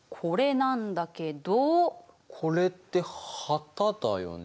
これって旗だよね？